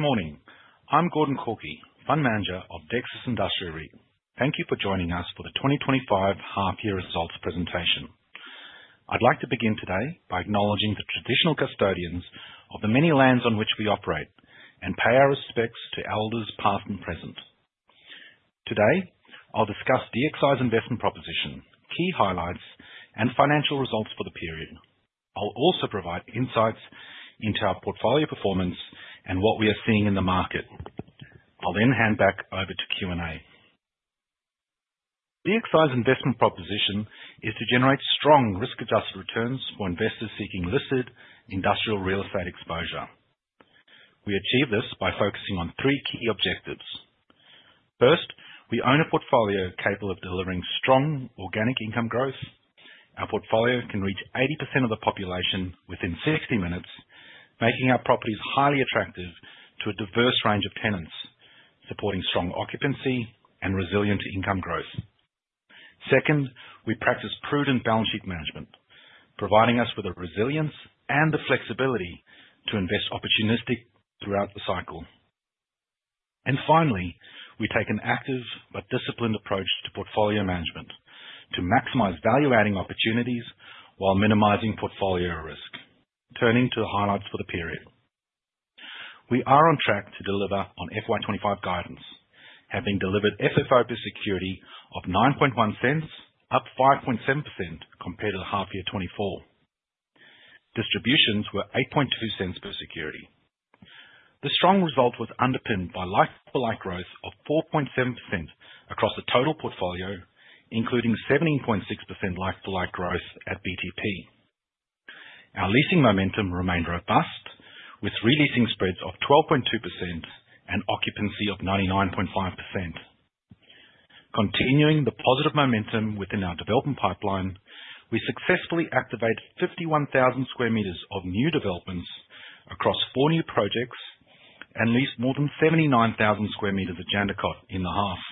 Good morning. I'm Gordon Korkie, Fund Manager of Dexus Industrial REIT. Thank you for joining us for the 2025 half-year results presentation. I'd like to begin today by acknowledging the traditional custodians of the many lands on which we operate and pay our respects to elders past and present. Today, I'll discuss DXI's investment proposition, key highlights, and financial results for the period. I'll also provide insights into our portfolio performance and what we are seeing in the market. I'll then hand back over to Q&A. DXI's investment proposition is to generate strong risk-adjusted returns for investors seeking listed industrial real estate exposure. We achieve this by focusing on three key objectives. First, we own a portfolio capable of delivering strong organic income growth. Our portfolio can reach 80% of the population within 60 minutes, making our properties highly attractive to a diverse range of tenants, supporting strong occupancy and resilient income growth. Second, we practice prudent balance sheet management, providing us with the resilience and the flexibility to invest opportunistically throughout the cycle. and finally, we take an active but disciplined approach to portfolio management to maximize value-adding opportunities while minimizing portfolio risk. Turning to the highlights for the period, we are on track to deliver on FY25 guidance, having delivered FFO per security of 0.091, up 5.7% compared to the half-year 2024. Distributions were 0.082 per security. The strong result was underpinned by like-for-like growth of 4.7% across the total portfolio, including 17.6% like-for-like growth at BTP. Our leasing momentum remained robust, with re-leasing spreads of 12.2% and occupancy of 99.5%. Continuing the positive momentum within our development pipeline, we successfully activated 51,000 square meters of new developments across four new projects and leased more than 79,000 square meters of Jandakot in the half,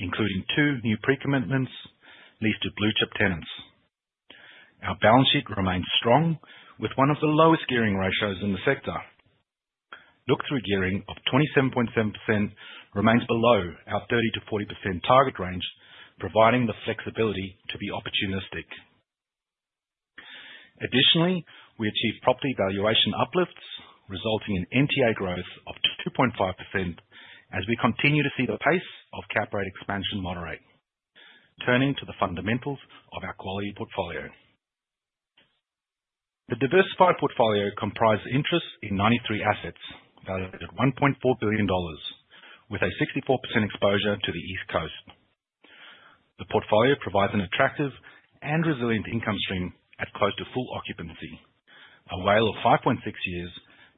including two new pre-commitments leased to blue-chip tenants. Our balance sheet remains strong, with one of the lowest gearing ratios in the sector. Look-through gearing of 27.7% remains below our 30%-40% target range, providing the flexibility to be opportunistic. Additionally, we achieved property valuation uplifts, resulting in NTA growth of 2.5% as we continue to see the pace of cap rate expansion moderate. Turning to the fundamentals of our quality portfolio, the diversified portfolio comprises interests in 93 assets valued at 1.4 billion dollars, with a 64% exposure to the East Coast. The portfolio provides an attractive and resilient income stream at close to full occupancy, a WALE of 5.6 years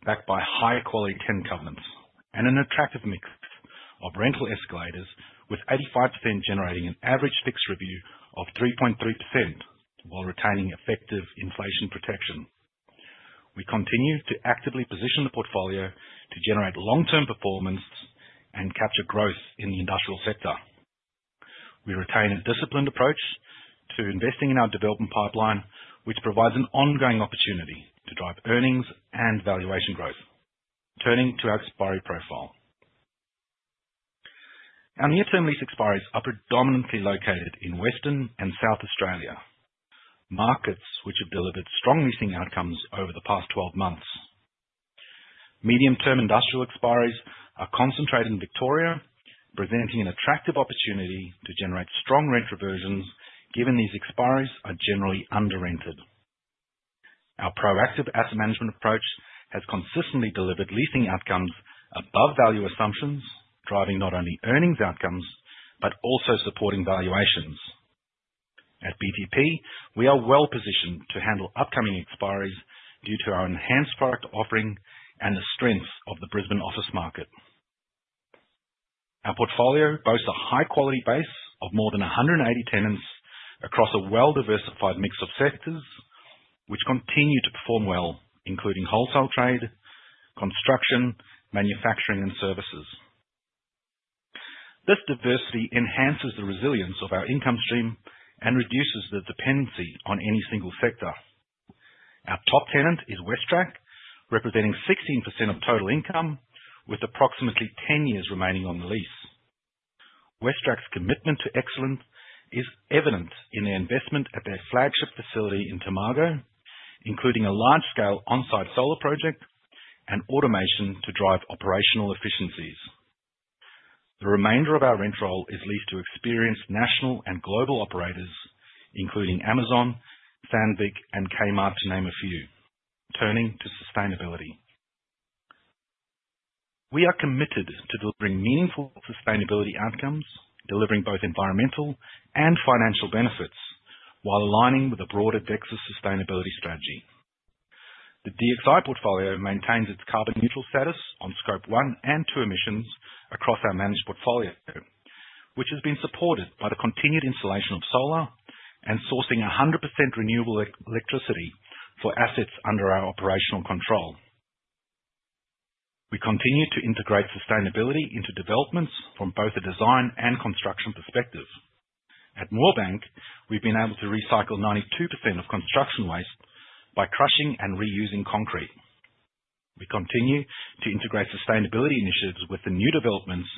backed by high-quality tenant covenants and an attractive mix of rental escalators, with 85% generating an average fixed review of 3.3% while retaining effective inflation protection. We continue to actively position the portfolio to generate long-term performance and capture growth in the industrial sector. We retain a disciplined approach to investing in our development pipeline, which provides an ongoing opportunity to drive earnings and valuation growth. Turning to our expiry profile, our near-term lease expiries are predominantly located in Western Australia and South Australia, markets which have delivered strong leasing outcomes over the past 12 months. Medium-term industrial expiries are concentrated in Victoria, presenting an attractive opportunity to generate strong rent reversions given these expiries are generally under-rented. Our proactive asset management approach has consistently delivered leasing outcomes above value assumptions, driving not only earnings outcomes but also supporting valuations. At BTP, we are well-positioned to handle upcoming expiries due to our enhanced product offering and the strength of the Brisbane office market. Our portfolio boasts a high-quality base of more than 180 tenants across a well-diversified mix of sectors, which continue to perform well, including wholesale trade, construction, manufacturing, and services. This diversity enhances the resilience of our income stream and reduces the dependency on any single sector. Our top tenant is WesTrac, representing 16% of total income, with approximately 10 years remaining on the lease. WesTrac's commitment to excellence is evident in their investment at their flagship facility in Tomago, including a large-scale onsite solar project and automation to drive operational efficiencies. The remainder of our rent roll is leased to experienced national and global operators, including Amazon, Sandvik, and Kmart, to name a few. Turning to sustainability, we are committed to delivering meaningful sustainability outcomes, delivering both environmental and financial benefits while aligning with a broader Dexus sustainability strategy. The DXI portfolio maintains its carbon-neutral status on Scope 1 and 2 emissions across our managed portfolio, which has been supported by the continued installation of solar and sourcing 100% renewable electricity for assets under our operational control. We continue to integrate sustainability into developments from both a design and construction perspective. At Moorebank, we've been able to recycle 92% of construction waste by crushing and reusing concrete. We continue to integrate sustainability initiatives with the new developments,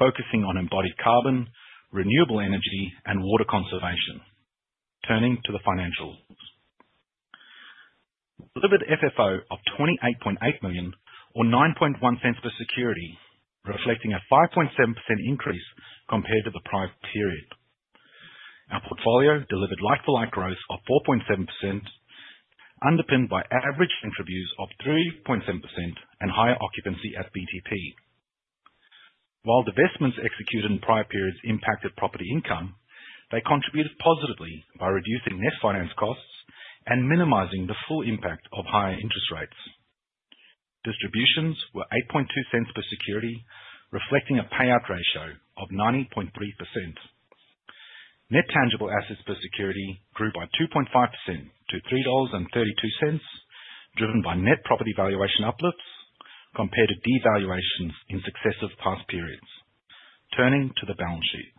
focusing on embodied carbon, renewable energy, and water conservation. Turning to the financials, we delivered FFO of 28.8 million, or 0.091 per security, reflecting a 5.7% increase compared to the prior period. Our portfolio delivered like-for-like growth of 4.7%, underpinned by average rent reviews of 3.7% and higher occupancy at BTP. While the investments executed in prior periods impacted property income, they contributed positively by reducing net finance costs and minimizing the full impact of higher interest rates. Distributions were 0.082 per security, reflecting a payout ratio of 90.3%. Net tangible assets per security grew by 2.5% to 3.32 dollars, driven by net property valuation uplifts compared to devaluations in successive past periods. Turning to the balance sheet,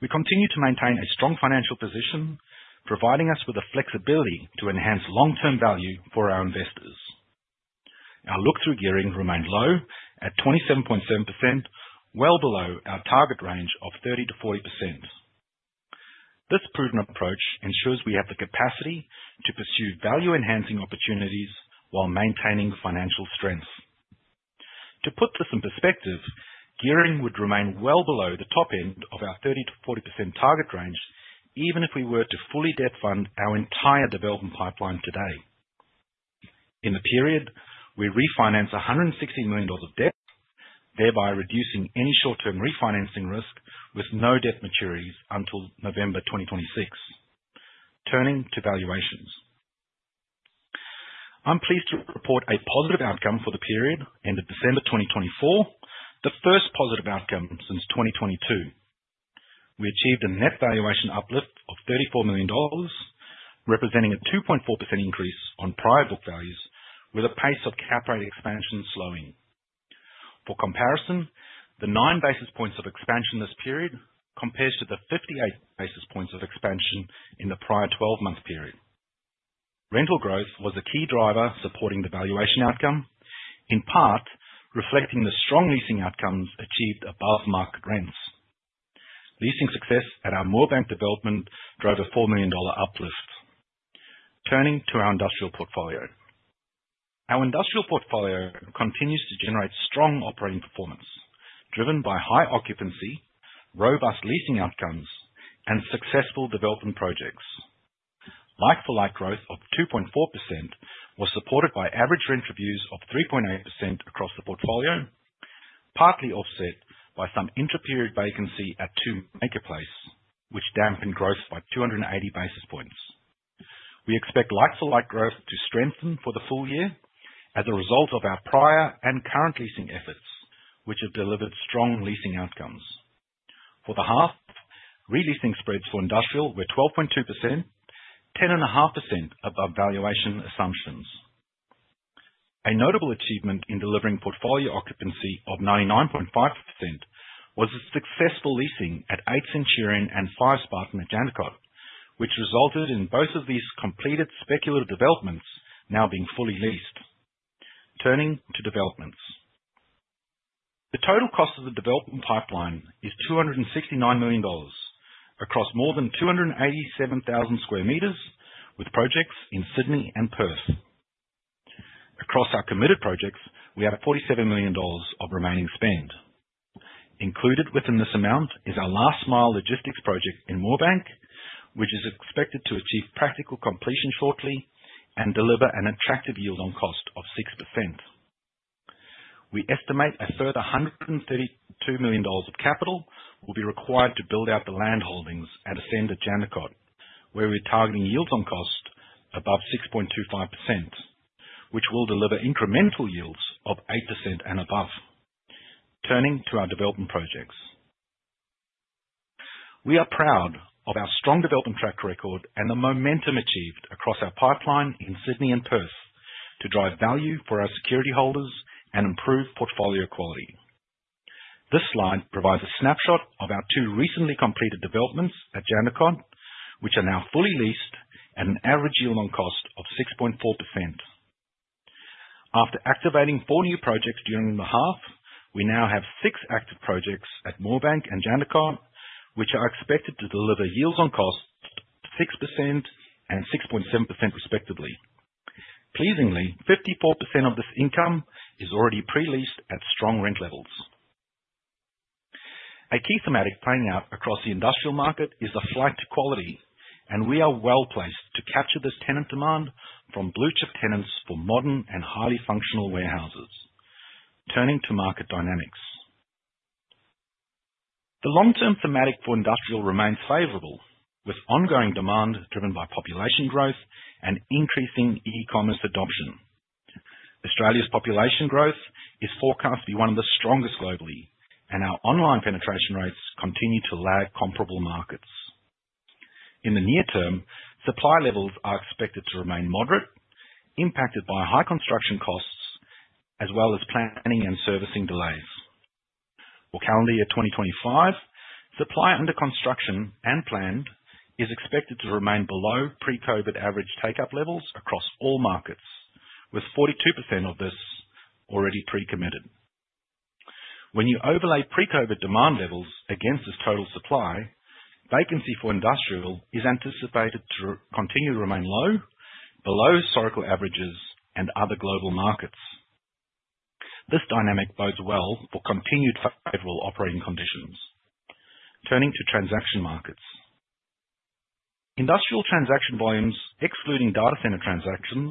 we continue to maintain a strong financial position, providing us with the flexibility to enhance long-term value for our investors. Our look-through gearing remained low at 27.7%, well below our target range of 30%-40%. This prudent approach ensures we have the capacity to pursue value-enhancing opportunities while maintaining financial strength. To put this in perspective, gearing would remain well below the top end of our 30%-40% target range, even if we were to fully debt fund our entire development pipeline today. In the period, we refinanced 160 million dollars of debt, thereby reducing any short-term refinancing risk with no debt maturities until November 2026. Turning to valuations, I'm pleased to report a positive outcome for the period end of December 2024, the first positive outcome since 2022. We achieved a net valuation uplift of 34 million dollars, representing a 2.4% increase on prior book values, with a pace of cap rate expansion slowing. For comparison, the nine basis points of expansion this period compares to the 58 basis points of expansion in the prior 12-month period. Rental growth was a key driver supporting the valuation outcome, in part reflecting the strong leasing outcomes achieved above market rents. Leasing success at our Moorebank development drove an 4 million dollar uplift. Turning to our industrial portfolio, our industrial portfolio continues to generate strong operating performance, driven by high occupancy, robust leasing outcomes, and successful development projects. Like-for-like growth of 2.4% was supported by average rent reviews of 3.8% across the portfolio, partly offset by some inter-period vacancy at 2 Maker Place, which dampened growth by 280 basis points. We expect like-for-like growth to strengthen for the full year as a result of our prior and current leasing efforts, which have delivered strong leasing outcomes. For the half, re-leasing spreads for industrial were 12.2%, 10.5% above valuation assumptions. A notable achievement in delivering portfolio occupancy of 99.5% was a successful leasing at 8 Centurion and 5 Spartan at Jandakot, which resulted in both of these completed speculative developments now being fully leased. Turning to developments, the total cost of the development pipeline is 269 million dollars across more than 287,000 square meters, with projects in Sydney and Perth. Across our committed projects, we had a 47 million dollars of remaining spend. Included within this amount is our last-mile logistics project in Moorebank, which is expected to achieve practical completion shortly and deliver an attractive yield on cost of 6%. We estimate a further 132 million dollars of capital will be required to build out the land holdings at Ascend at Jandakot, where we're targeting yields on cost above 6.25%, which will deliver incremental yields of 8% and above. Turning to our development projects, we are proud of our strong development track record and the momentum achieved across our pipeline in Sydney and Perth to drive value for our security holders and improve portfolio quality. This slide provides a snapshot of our two recently completed developments at Jandakot, which are now fully leased at an average yield on cost of 6.4%. After activating four new projects during the half, we now have six active projects at Moorebank and Jandakot, which are expected to deliver yields on cost 6% and 6.7% respectively. Pleasingly, 54% of this income is already pre-leased at strong rent levels. A key thematic playing out across the industrial market is the flight to quality, and we are well-placed to capture this tenant demand from blue-chip tenants for modern and highly functional warehouses. Turning to market dynamics, the long-term thematic for industrial remains favorable, with ongoing demand driven by population growth and increasing e-commerce adoption. Australia's population growth is forecast to be one of the strongest globally, and our online penetration rates continue to lag comparable markets. In the near term, supply levels are expected to remain moderate, impacted by high construction costs as well as planning and servicing delays. For calendar year 2025, supply under construction and planned is expected to remain below pre-COVID average take-up levels across all markets, with 42% of this already pre-committed. When you overlay pre-COVID demand levels against this total supply, vacancy for industrial is anticipated to continue to remain low, below historical averages and other global markets. This dynamic bodes well for continued favorable operating conditions. Turning to transaction markets, industrial transaction volumes, excluding data center transactions,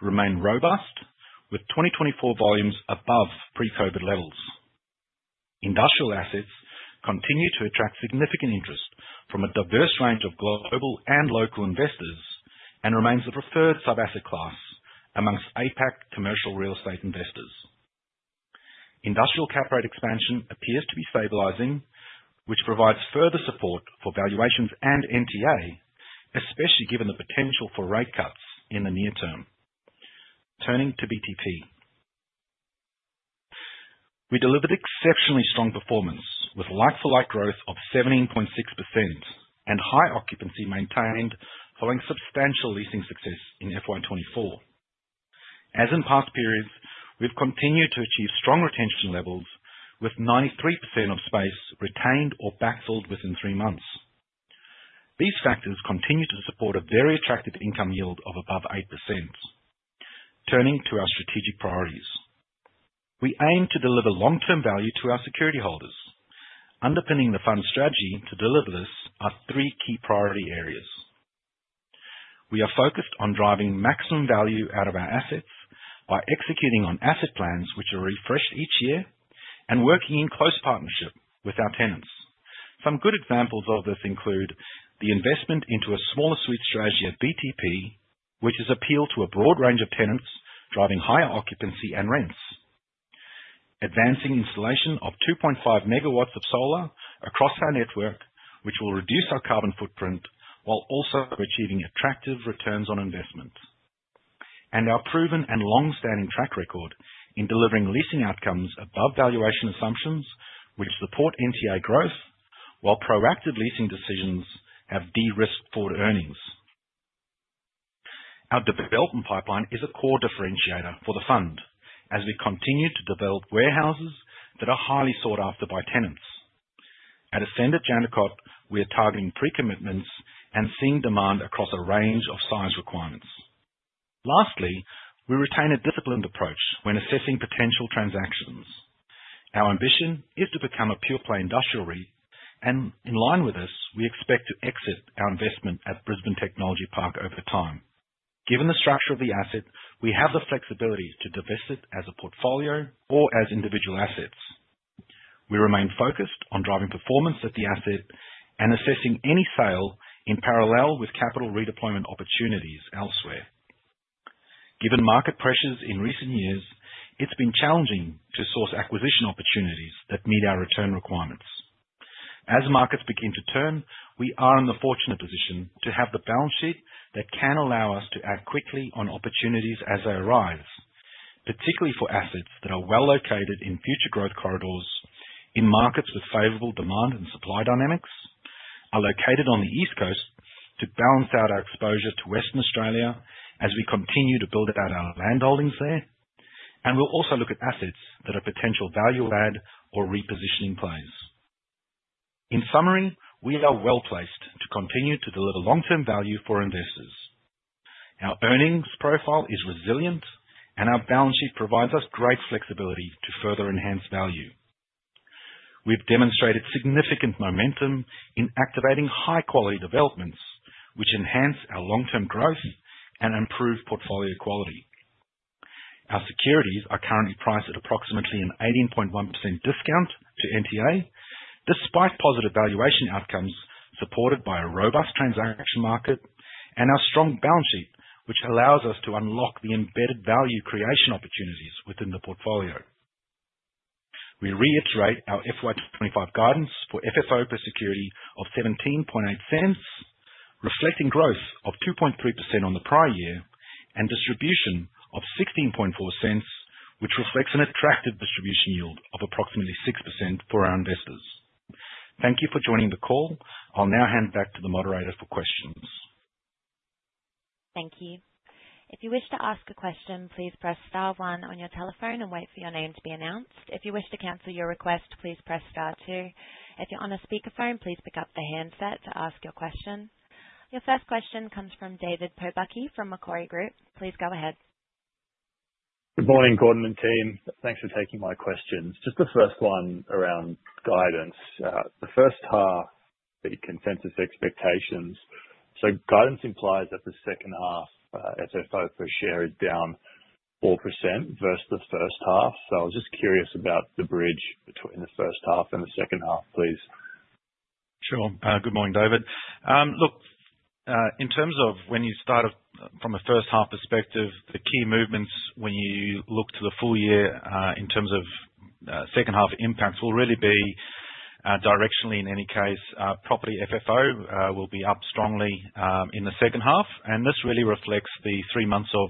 remain robust, with 2024 volumes above pre-COVID levels. Industrial assets continue to attract significant interest from a diverse range of global and local investors and remain the preferred sub-asset class amongst APAC commercial real estate investors. Industrial cap rate expansion appears to be stabilizing, which provides further support for valuations and NTA, especially given the potential for rate cuts in the near term. Turning to BTP, we delivered exceptionally strong performance with like-for-like growth of 17.6% and high occupancy maintained following substantial leasing success in FY24. As in past periods, we've continued to achieve strong retention levels, with 93% of space retained or backsold within three months. These factors continue to support a very attractive income yield of above 8%. Turning to our strategic priorities, we aim to deliver long-term value to our security holders. Underpinning the fund's strategy to deliver this are three key priority areas. We are focused on driving maximum value out of our assets by executing on asset plans which are refreshed each year and working in close partnership with our tenants. Some good examples of this include the investment into a smaller suite strategy at BTP, which has appealed to a broad range of tenants, driving higher occupancy and rents, advancing installation of 2.5 megawatts of solar across our network, which will reduce our carbon footprint while also achieving attractive returns on investment, and our proven and long-standing track record in delivering leasing outcomes above valuation assumptions, which support NTA growth, while proactive leasing decisions have de-risked forward earnings. Our development pipeline is a core differentiator for the fund as we continue to develop warehouses that are highly sought after by tenants. At Ascend at Jandakot, we are targeting pre-commitments and seeing demand across a range of size requirements. Lastly, we retain a disciplined approach when assessing potential transactions. Our ambition is to become a pure-play industrial REIT, and in line with this, we expect to exit our investment at Brisbane Technology Park over time. Given the structure of the asset, we have the flexibility to divest it as a portfolio or as individual assets. We remain focused on driving performance at the asset and assessing any sale in parallel with capital redeployment opportunities elsewhere. Given market pressures in recent years, it's been challenging to source acquisition opportunities that meet our return requirements. As markets begin to turn, we are in the fortunate position to have the balance sheet that can allow us to act quickly on opportunities as they arise, particularly for assets that are well located in future growth corridors in markets with favorable demand and supply dynamics. Are located on the East Coast to balance out our exposure to Western Australia as we continue to build out our land holdings there, and we'll also look at assets that are potential value-add or repositioning plays. In summary, we are well-placed to continue to deliver long-term value for investors. Our earnings profile is resilient, and our balance sheet provides us great flexibility to further enhance value. We've demonstrated significant momentum in activating high-quality developments, which enhance our long-term growth and improve portfolio quality. Our securities are currently priced at approximately an 18.1% discount to NTA, despite positive valuation outcomes supported by a robust transaction market and our strong balance sheet, which allows us to unlock the embedded value creation opportunities within the portfolio. We reiterate our FY'25 guidance for FFO per security of 0.178, reflecting growth of 2.3% on the prior year and distribution of 0.164, which reflects an attractive distribution yield of approximately 6% for our investors. Thank you for joining the call. I'll now hand back to the moderator for questions. Thank you. If you wish to ask a question, please press star one on your telephone and wait for your name to be announced. If you wish to cancel your request, please press star two. If you're on a speakerphone, please pick up the handset to ask your question. Your first question comes from David Pobucki from Macquarie Group. Please go ahead. Good morning, Gordon and team. Thanks for taking my questions. Just the first one around guidance. The first half, the consensus expectations. So guidance implies that the second half FFO per share is down 4% versus the first half. So I was just curious about the bridge between the first half and the second half, please. Sure. Good morning, David. Look, in terms of when you start from a first-half perspective, the key movements when you look to the full year in terms of second-half impacts will really be directionally in any case. Property FFO will be up strongly in the second half, and this really reflects the three months of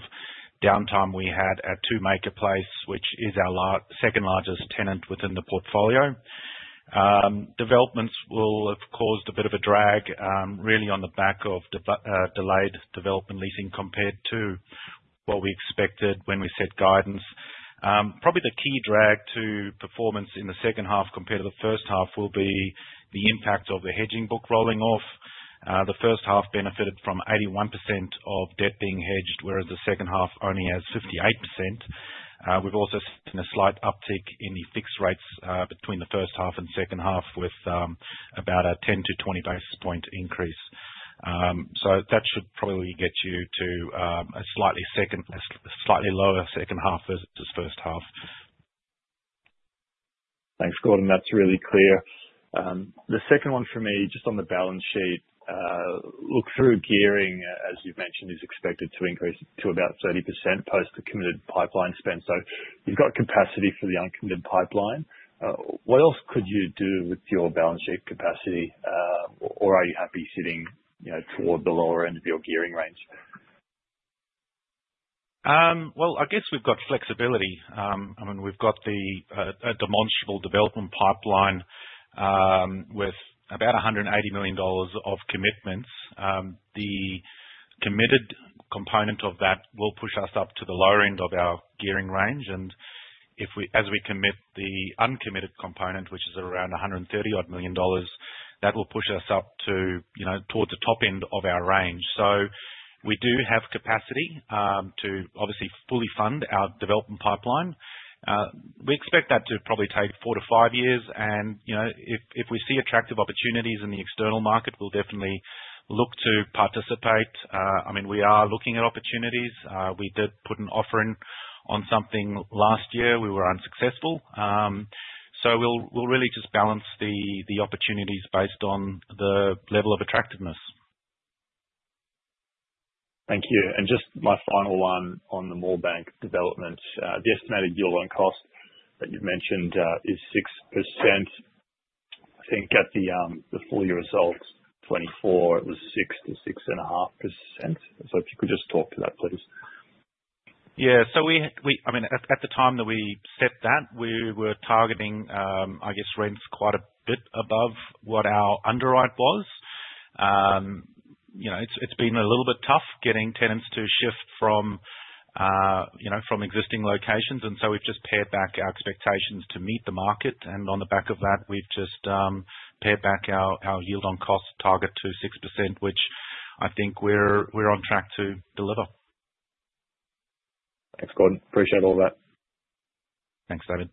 downtime we had at 2 Maker Place, which is our second-largest tenant within the portfolio. Developments will have caused a bit of a drag really on the back of delayed development leasing compared to what we expected when we set guidance. Probably the key drag to performance in the second half compared to the first half will be the impact of the hedging book rolling off. The first half benefited from 81% of debt being hedged, whereas the second half only has 58%. We've also seen a slight uptick in the fixed rates between the first half and second half with about a 10-20 basis points increase. So that should probably get you to a slightly lower second half versus first half. Thanks, Gordon. That's really clear. The second one for me, just on the balance sheet, look through gearing, as you've mentioned, is expected to increase to about 30% post the committed pipeline spend. So you've got capacity for the uncommitted pipeline. What else could you do with your balance sheet capacity, or are you happy sitting toward the lower end of your gearing range? I guess we've got flexibility. I mean, we've got the demonstrable development pipeline with about 180 million dollars of commitments. The committed component of that will push us up to the lower end of our gearing range. As we commit the uncommitted component, which is around 130 million dollars, that will push us up towards the top end of our range. We do have capacity to obviously fully fund our development pipeline. We expect that to probably take four to five years. If we see attractive opportunities in the external market, we'll definitely look to participate. I mean, we are looking at opportunities. We did put an offering on something last year. We were unsuccessful. We'll really just balance the opportunities based on the level of attractiveness. Thank you. And just my final one on the Moorebank development. The estimated yield on cost that you've mentioned is 6%. I think at the full year results 2024, it was 6%-6.5%. So if you could just talk to that, please. Yeah. So I mean, at the time that we set that, we were targeting, I guess, rents quite a bit above what our underwrite was. It's been a little bit tough getting tenants to shift from existing locations. And on the back of that, we've just pared back our expectations to meet the market. And on the back of that, we've just pared back our yield on cost target to 6%, which I think we're on track to deliver. Thanks, Gordon. Appreciate all that. Thanks, David.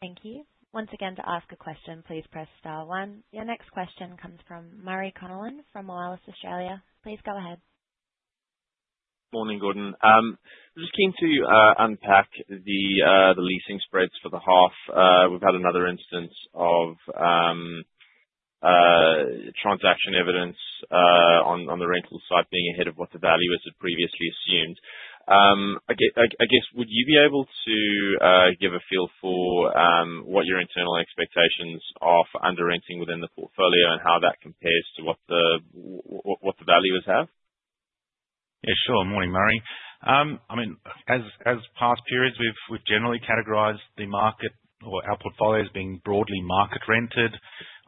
Thank you. Once again, to ask a question, please press star one. Your next question comes from Murray Connellan from Moelis Australia. Please go ahead. Morning, Gordon. I'm just keen to unpack the leasing spreads for the half. We've had another instance of transaction evidence on the rental side being ahead of what the valuers had previously assumed. I guess, would you be able to give a feel for what your internal expectations are for underwriting within the portfolio and how that compares to what the valuers have? Yeah, sure. Morning, Murray. I mean, as past periods, we've generally categorized the market or our portfolio as being broadly market rented.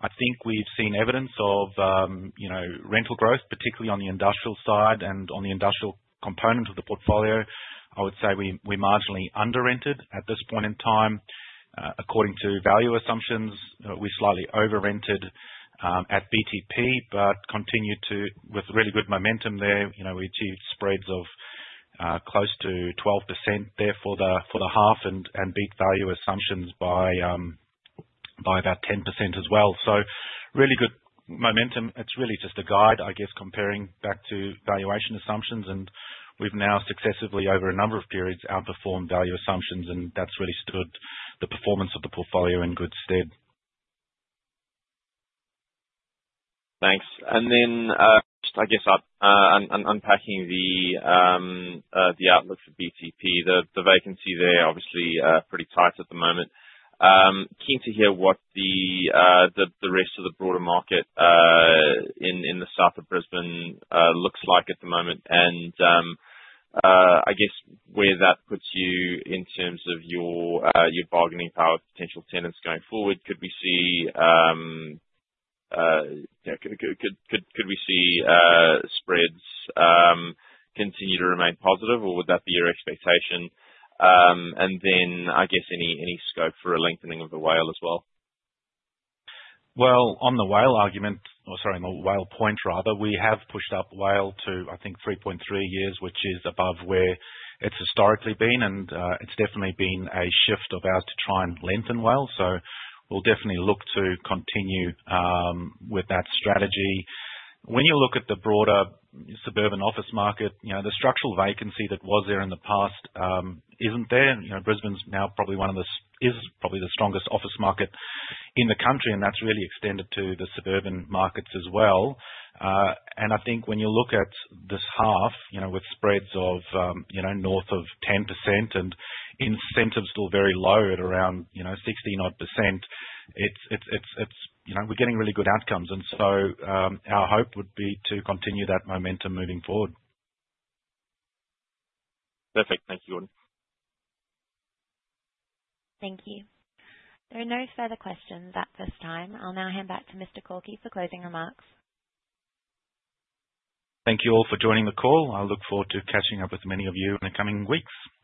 I think we've seen evidence of rental growth, particularly on the industrial side and on the industrial component of the portfolio. I would say we marginally underwrite it at this point in time. According to valuation assumptions, we slightly overwrite it at BTP, but continue to with really good momentum there. We achieved spreads of close to 12% there for the half and beat valuation assumptions by about 10% as well, so really good momentum. It's really just a guide, I guess, comparing back to valuation assumptions, and we've now successfully, over a number of periods, outperformed valuation assumptions, and that's really stood the performance of the portfolio in good stead. Thanks. And then just, I guess, unpacking the outlook for BTP, the vacancy there obviously pretty tight at the moment. Keen to hear what the rest of the broader market in the south of Brisbane looks like at the moment. And I guess where that puts you in terms of your bargaining power with potential tenants going forward. Could we see spreads continue to remain positive, or would that be your expectation? And then, I guess, any scope for a lengthening of the WALE as well? On the WALE argument, or sorry, on the WALE point rather, we have pushed up WALE to, I think, 3.3 years, which is above where it's historically been. It's definitely been a shift of ours to try and lengthen WALE. We'll definitely look to continue with that strategy. When you look at the broader suburban office market, the structural vacancy that was there in the past isn't there. Brisbane's now probably one of the strongest office market in the country, and that's really extended to the suburban markets as well. I think when you look at this half with spreads of north of 10% and incentives still very low at around 60-odd%, we're getting really good outcomes. Our hope would be to continue that momentum moving forward. Perfect. Thank you, Gordon. Thank you. There are no further questions at this time. I'll now hand back to Mr. Korkie for closing remarks. Thank you all for joining the call. I look forward to catching up with many of you in the coming weeks. Thank you.